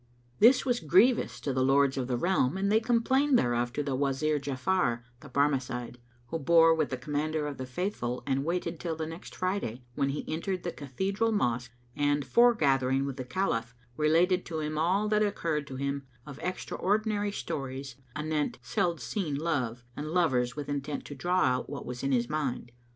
This was grievous to the Lords of the Realm and they complained thereof to the Wazir Ja'afar the Barmecide, who bore with the Commander of the Faithful and waited till the next Friday, when he entered the cathedral mosque and, foregathering with the Caliph, related to him all that occurred to him of extra ordinary stories anent seld seen love and lovers with intent to draw out what was in his mind.